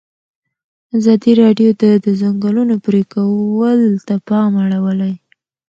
ازادي راډیو د د ځنګلونو پرېکول ته پام اړولی.